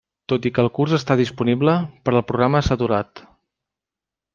Tot i que el curs està disponible, per al programa s'ha aturat.